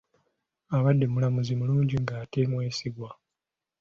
Abadde mulamuzi mulungi ate nga mwesigwa.